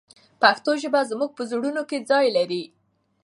پښتو ژبه زموږ په زړونو کې ځای لري.